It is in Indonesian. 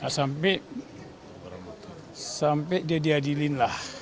sampai dia diadilin